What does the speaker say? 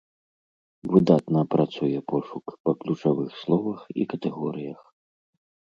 Выдатна працуе пошук па ключавых словах і катэгорыях.